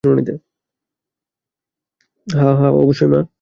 হ্যাঁ, অবশ্যই, মা।